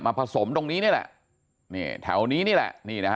ผสมตรงนี้นี่แหละนี่แถวนี้นี่แหละนี่นะฮะ